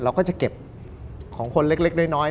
เราก็จะเก็บของคนเล็กน้อย